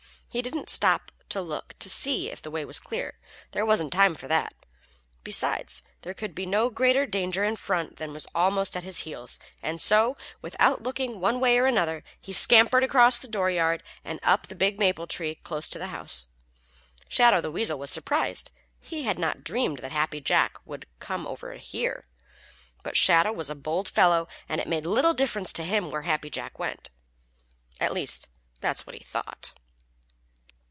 He didn't stop to look to see if the way was clear. There wasn't time for that. Besides, there could be no greater danger in front than was almost at his heels, and so, without looking one way or another, he scampered across the dooryard and up the big maple tree close to the house. Shadow the Weasel was surprised. He had not dreamed that Happy Jack would come over here. But Shadow is a bold fellow, and it made little difference to him where Happy Jack went. At least, that is what he thought.